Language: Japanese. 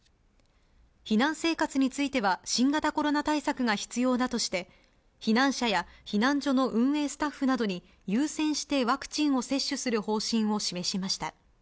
避難生活については、新型コロナ対策が必要だとして、避難者や避難所の運営スタッフなどに優先してワクチンを接種する方針を示しました。